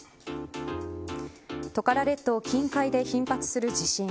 トカラ列島近海で頻発する地震。